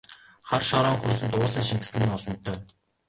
Хар шороон хөрсөнд уусан шингэсэн нь олонтой!